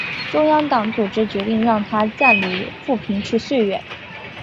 中共党组织决定让他暂离阜平去绥远。